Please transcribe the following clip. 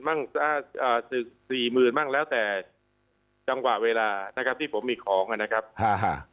มั่งอ่าศึกสี่หมื่นบ้างแล้วแต่จังหวะเวลานะครับที่ผมมีของนะครับอ่า